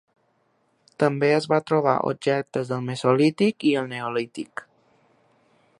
També es va trobar objectes del Mesolític i el Neolític.